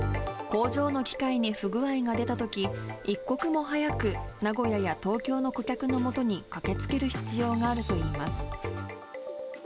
工場の機械に不具合が出たとき、一刻も早く名古屋や東京の顧客のもとに駆けつける必要があるといいます。